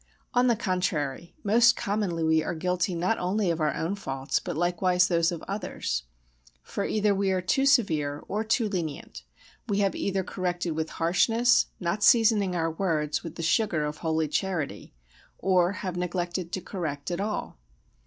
On the contrary most commonly we are guilty not only of our own faults but likewise of those of others. For either we are too severe, or too lenient; we have either corrected with harshness, not seasoning our words with the sugar of holy charity, or have neglected to correct at all.